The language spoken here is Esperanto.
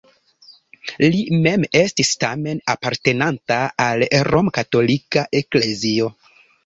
Li mem estis tamen apartenanta al romkatolika eklezio.